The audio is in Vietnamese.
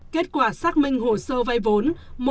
kết quả xác minh hồ sơ vay vốn